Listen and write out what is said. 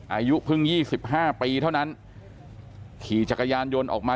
อายุเพิ่ง๒๕ปีเท่านั้นขี่จักรยานยนต์ออกมา